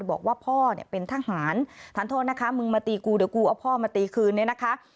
บอกว่าพ่อเนี่ยเป็นทหารทานโทษนะคะมึงมาตีกูเดี๋ยวกูเอาพ่อมาตีคืนเนี่ยนะคะ